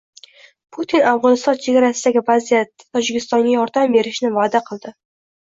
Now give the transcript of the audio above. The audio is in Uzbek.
Putin Afg‘oniston chegarasidagi vaziyatda Tojikistonga yordam berishni va'da qildi